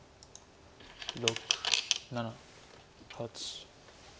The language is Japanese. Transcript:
６７８。